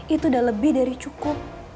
itu udah lebih dari cukup